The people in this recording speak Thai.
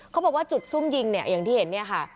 เขาบอกว่าจุดซุ่มยิงเนี่ยอย่างที่เห็นเนี่ยค่ะ